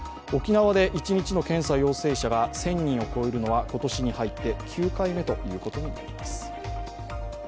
沖縄で一日の検査陽性者が１０００人を超えるのは今年に入って９回目ということになります。